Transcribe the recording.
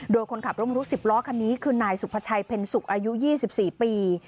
โดยคนขับร่มรุกสิบล้อคันนี้คือนายสุภาชัยเพ็ญสุกอายุยี่สิบสี่ปี